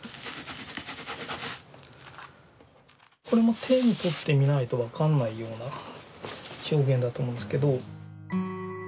これも手に取ってみないと分かんないような表現だと思うんですけど。